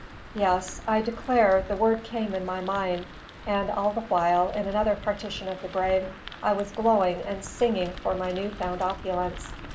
Yes, I declare the word came in my mind; and all the while, in another partition of the brain, I was glowing and singing for my new found opulence.